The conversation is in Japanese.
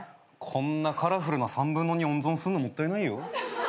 こんなカラフルな３分の２温存するのもったいないよ。